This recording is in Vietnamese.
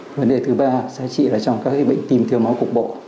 vấn đề thứ ba giá trị là trong các cái bệnh tim thiếu máu cục bộ